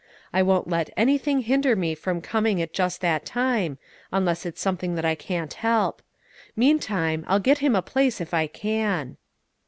I won't let anything hinder me from coming at just that time, unless it's something that I can't help. Meantime, I'll get him a place if I can."